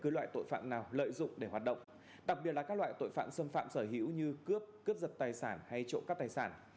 loại tội phạm nào lợi dụng để hoạt động đặc biệt là các loại tội phạm xâm phạm sở hữu như cướp cướp giật tài sản hay trộm cắp tài sản